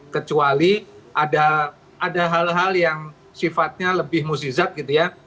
kecuali ada hal hal yang sifatnya lebih musizat gitu ya